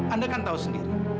anda kan tahu sendiri